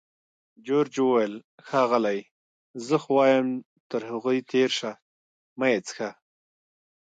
جورج وویل: ښاغلې! زه خو وایم تر هغوی تېر شه، مه یې څښه.